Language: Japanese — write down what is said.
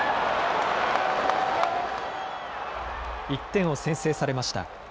１点を先制されました。